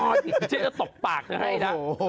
อะไรตกปากให้นะ